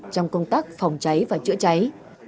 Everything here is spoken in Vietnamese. trong công tác phòng cháy và chữa cháy